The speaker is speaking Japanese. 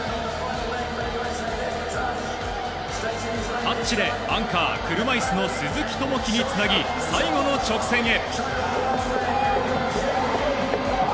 タッチでアンカー、車いすの鈴木朋樹につなぎ、最後の直線へ。